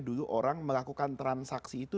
dulu orang melakukan transaksi itu